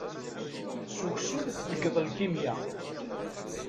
S uksum teggeḍ lkimya.